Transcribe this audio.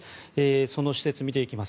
その施設を見ていきます。